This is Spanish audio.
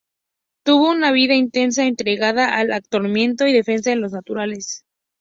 Tuvo una vida intensa entregada al adoctrinamiento y defensa de los naturales.